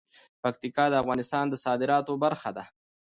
پکتیکا د افغانستان د صادراتو برخه ده.